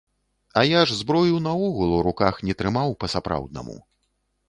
А я ж зброю наогул у руках не трымаў па-сапраўднаму.